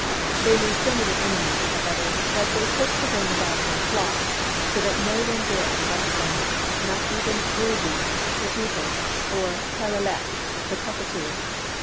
They made so many enemies, however, that they took to going about in flocks, so that no one dared molest them — not even Wildoo, the Eagle, or Kellelek, the Cockatoo.